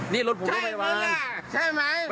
นี่รถผมมาเติมลม